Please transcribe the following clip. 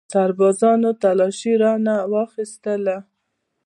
سربازانو تلاشي رانه واخیستله.